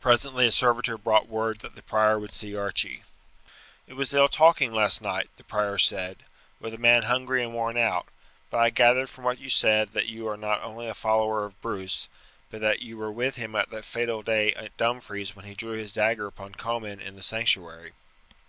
Presently a servitor brought word that the prior would see Archie. "It was ill talking last night," the prior said, "with a man hungry and worn out; but I gathered from what you said that you are not only a follower of Bruce, but that you were with him at that fatal day at Dumfries when he drew his dagger upon Comyn in the sanctuary."